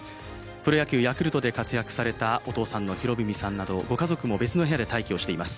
プロ野球ヤクルトで活躍された、お父さんの博文さんなど、ご家族も別の部屋で待機しています。